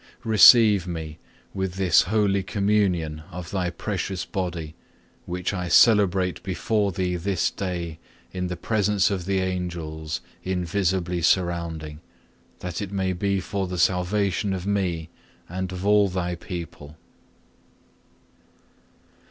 Receive me with this holy Communion of Thy precious Body, which I celebrate before Thee this day in the presence of the Angels invisibly surrounding, that it may be for the salvation of me and of all Thy people.